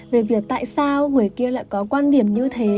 về việc tại sao người kia lại có quan điểm như thế